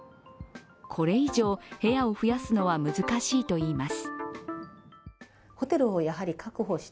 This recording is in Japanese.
これ以上、部屋を増やすのは難しいといいます。